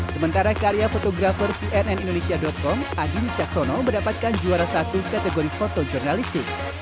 sementara karya fotografer cnn indonesia com adi wicaksono mendapatkan juara satu kategori foto jurnalistik